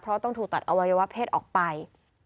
เพราะต้องถูกตัดอวัยวะเพศออกไป